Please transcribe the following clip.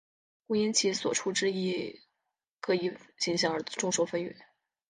故因其所处之各异形象而众说纷纭。